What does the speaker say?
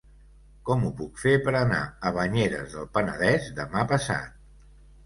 Com ho puc fer per anar a Banyeres del Penedès demà passat?